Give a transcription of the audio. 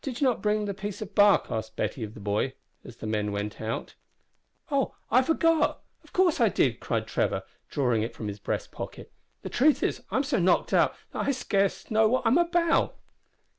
"Did you not bring the piece of bark?" asked Betty of the boy, as the men went out. "Oh! I forgot. Of course I did," cried Trevor, drawing it from his breast pocket. "The truth is I'm so knocked up that I scarce know what I'm about."